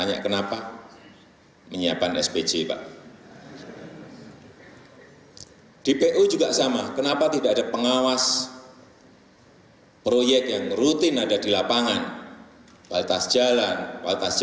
jawaban ini saya kadang ini apa toh bu